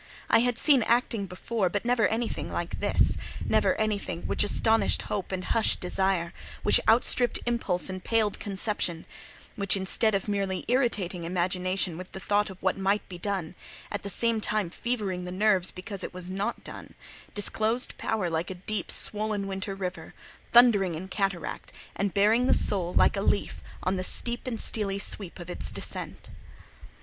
I had seen acting before, but never anything like this: never anything which astonished Hope and hushed Desire; which outstripped Impulse and paled Conception; which, instead of merely irritating imagination with the thought of what might be done, at the same time fevering the nerves because it was not done, disclosed power like a deep, swollen winter river, thundering in cataract, and bearing the soul, like a leaf, on the steep and steelly sweep of its descent.